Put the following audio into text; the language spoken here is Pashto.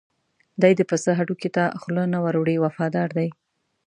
دی د پسه هډوکي ته خوله نه ور وړي وفادار دی.